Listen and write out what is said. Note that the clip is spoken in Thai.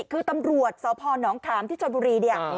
คือตำรวจสาวพอร์หนองขามที่ชวนบุรีเนี้ย